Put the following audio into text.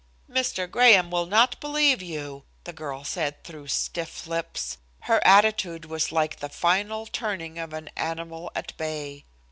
"Mr. Graham will not believe you," the girl said through stiff lips. Her attitude was like the final turning of an animal at bay.